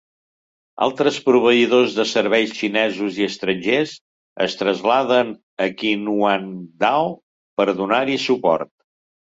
Altres proveïdors de serveis xinesos i estrangers es traslladen a Qinhuangdao per donar-hi suport.